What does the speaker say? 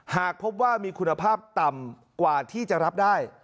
หากพบว่ามีคุณภาพต่ำกว่าที่จะรับได้